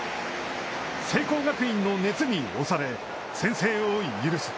聖光学院の熱に押され先制を許す。